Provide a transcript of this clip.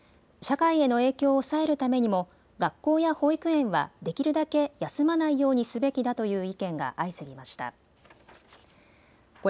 社会への影響を抑えるためにも学校や保育園はできるだけ休まないようにすべきだという意見が相次ぎました。